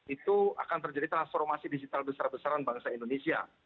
itu akan terjadi transformasi digital besar besaran bangsa indonesia